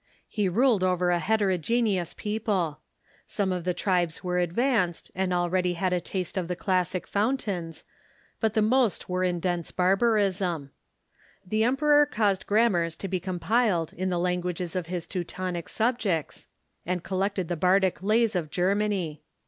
He ruled over a heterogeneous people. Charlemagne's Some of the tribes were advanced, and already Cultivation of Na had a taste of the classic fountains. But the tional Literature <.• i i i • rm most were m dense barbarism. Ihe emperor caused grammars to be compiled in the languages of his Teu tonic subjects, and collected the bardic lays of Germany.